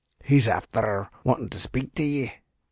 He's afther wantin' to shpake to ye."